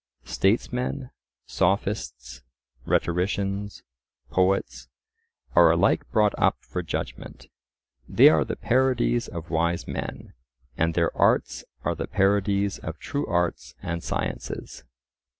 Statesmen, Sophists, rhetoricians, poets, are alike brought up for judgment. They are the parodies of wise men, and their arts are the parodies of true arts and sciences.